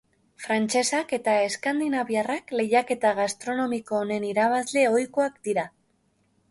Frantsesak eta eskandinaviarrak lehiaketa gastronomiko honen irabazle ohikoak dira.